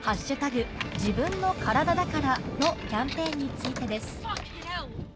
自分のカラダだから」のキャンペーンについてです